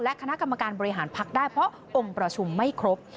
คณะกรรมการบริหารพักได้เพราะองค์ประชุมไม่ครบ